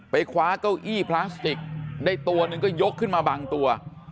คว้าเก้าอี้พลาสติกได้ตัวหนึ่งก็ยกขึ้นมาบางตัว